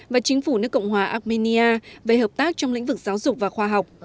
và chính phủ nước cộng hòa armenia về hợp tác trong lĩnh vực giáo dục và khoa học